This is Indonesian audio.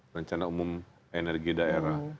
secara umum energi daerah